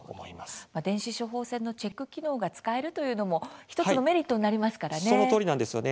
電子処方箋のチェック機能が使えるというのも１つのメリットになりますからね。